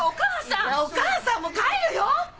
お母さんもう帰るよ。